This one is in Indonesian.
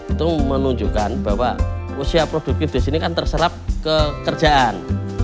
itu menunjukkan bahwa usia produktif di sini kan terserap pekerjaan